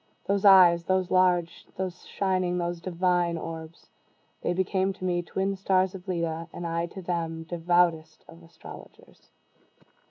Those eyes! those large, those shining, those divine orbs! they became to me twin stars of Leda, and I to them devoutest of astrologers.